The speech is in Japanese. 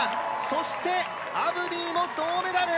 そして、アブディも銅メダル。